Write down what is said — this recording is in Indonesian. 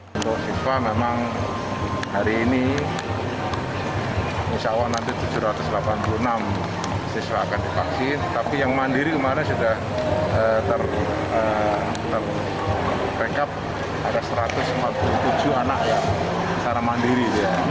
memang hari ini misalnya nanti tujuh ratus delapan puluh enam siswa akan divaksin tapi yang mandiri kemarin sudah ter pack up ada satu ratus empat puluh tujuh anak yang secara mandiri